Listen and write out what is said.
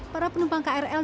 para penumpang krl